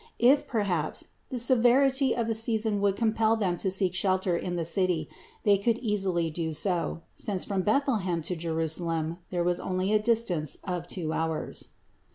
If, perhaps, the severity of the season would compel them to seek shelter in the city, they could easily do so; since from Bethlehem to Jerusalem there was only a distance of two hours.